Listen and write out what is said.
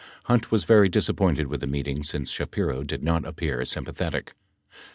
Hunt was very disappointed with the meeting since Shapiro did not appear sympathetic.